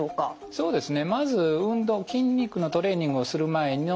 そうですね